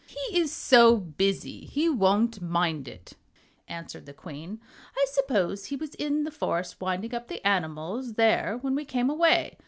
"He is so busy he won't mind it," answered the Queen. "I suppose he was in the forest winding up the animals there when we came away.